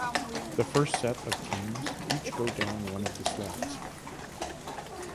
The first set of teams each go down one of the slides.